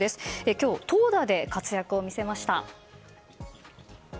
今日、投打で活躍を見せました。